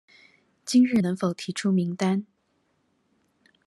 今日能否提出名單？